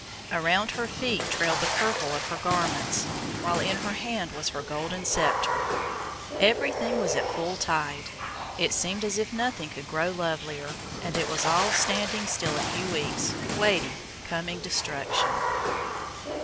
Around her feet trailed the purple of her garments, while in her hand was her golden scepter. Everything was at full tide. It seemed as if nothing could grow lovelier, and it was all standing still a few weeks, waiting coming destruction.